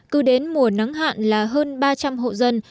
cứ đến mùa nắng hạn là hơn ba trăm linh hộ dân